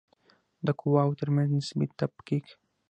د قواوو ترمنځ نسبي تفکیک